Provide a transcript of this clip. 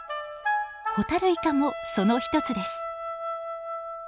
ホタルイカもその一つです。